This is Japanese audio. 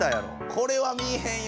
これは見いへんよ。